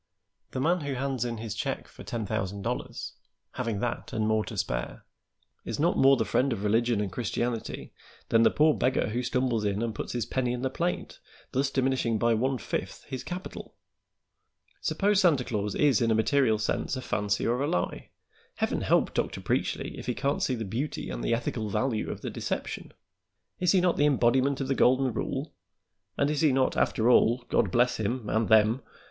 The man who hands in his check for ten thousand dollars, having that and more to spare, is not more the friend of religion and Christianity than the poor beggar who stumbles in and puts his penny in the plate, thus diminishing by one fifth his capital. Suppose Santa Claus is in a material sense a fancy or a lie; Heaven help Dr. Preachly if he can't see the beauty and the ethical value of the deception. Is he not the embodiment of the golden rule, and is he not, after all God bless him and them!